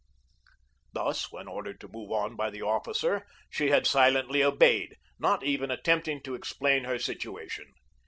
Thus, when ordered to move on by the officer, she had silently obeyed, not even attempting to explain her situation.